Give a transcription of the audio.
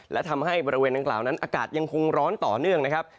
และทำให้บริเวณดังกล่าวนั้นอากาศยังคงร้อนต่อเนื่องนะครับ